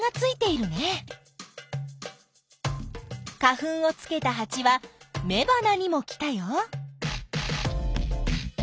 花粉をつけたハチはめばなにも来たよ。